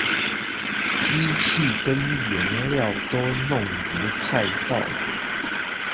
機器跟原料都弄不太到